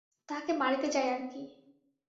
তাহাকে মারিতে যায় আর কি।